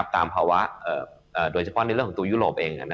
ภาวะโดยเฉพาะในเรื่องของตัวยุโรปเอง